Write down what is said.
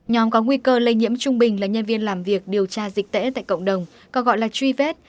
nhóm có nguy cơ lây nhiễm trung bình là nhân viên làm việc điều tra dịch tễ tại cộng đồng còn gọi là truy vết